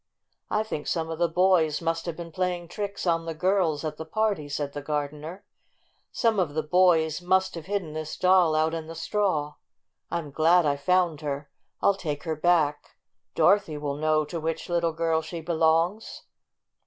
" I think some of the boys must have been playing tricks on the girls at the party," said the gardener. "Some of the boys must have hidden this doll out in the straw. I'm glad I found her. I'll take her back. Dorothy will know to which little girl she belongs."